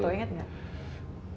bisa tuh oke tuh ingat nggak